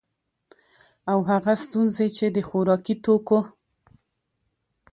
او هغه ستونزي چي د خوراکي توکو